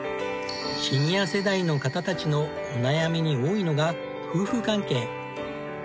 シニア世代の方たちのお悩みに多いのが夫婦関係。